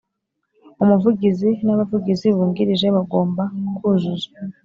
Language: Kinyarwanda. Umuvugizi n abavugizi bungirije bagomba kuzuza